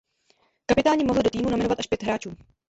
Kapitáni mohli do týmu nominovat až pět hráčů.